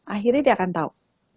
akhirnya dia akan tahu